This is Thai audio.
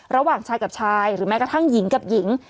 ระหว่างชายกับชายหรือแม้กระทั่งหญิงกับหญิง